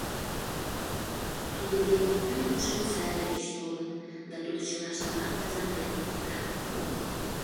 Тудын деке пӱтынь Швейцарий гыч толыт, да тудо чылаштымат тазаҥден колта.